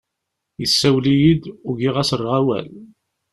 Yessawel-iyi-d, ugiɣ ad as-rreɣ awal.